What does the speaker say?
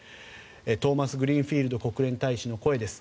トーマスグリーンフィールド国連大使の声です。